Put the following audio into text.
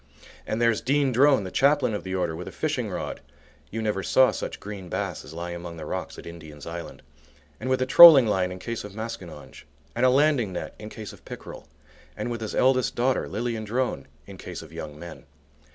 And there's Dean Drone, the Chaplain of the Order, with a fishing rod (you never saw such green bass as lie among the rocks at Indian's Island), and with a trolling line in case of maskinonge, and a landing net in case of pickerel, and with his eldest daughter, Lilian Drone, in case of young men.